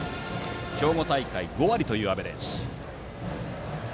兵庫大会５割というアベレージ。